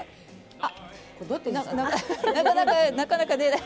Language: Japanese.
あなかなかなかなか出ない。